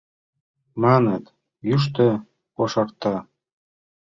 Маныт: йӱштӧ кошарта